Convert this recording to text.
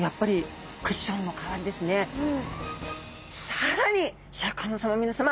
更にシャーク香音さま皆さま。